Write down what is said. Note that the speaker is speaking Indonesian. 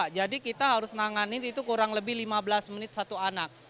jadi kita harus nanganin itu kurang lebih lima belas menit satu anak